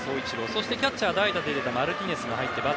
そしてキャッチャー、代打で出たマルティネス。